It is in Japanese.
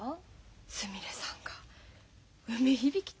すみれさんが梅響と。